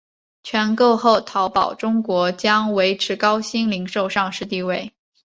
全购后淘宝中国将维持高鑫零售上市地位。